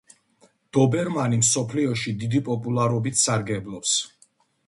დობერმანი მსოფლიოში დიდი პოპულარობით სარგებლობს.